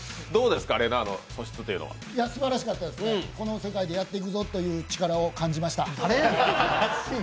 すばらしかったです、この世界でやっていくぞという力を感じました。